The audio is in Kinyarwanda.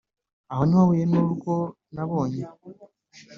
Aho niwahuye nurwo nabonye